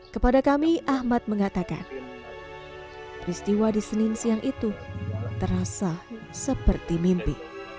kepada kami ahmad mengatakan peristiwa di senin siang itu terasa seperti mimpi